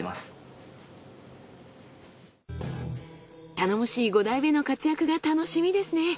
頼もしい５代目の活躍が楽しみですね。